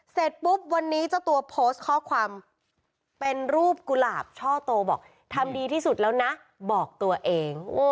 เสร็จปุ๊บวันนี้เจ้าตัวโพสต์ข้อความเป็นรูปกุหลาบช่อโตบอกทำดีที่สุดแล้วนะบอกตัวเอง